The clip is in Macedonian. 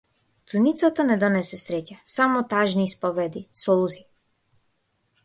Ѕуницата не донесе среќа, само тажни исповеди, солзи.